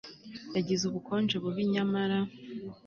Yagize ubukonje bubi nyamara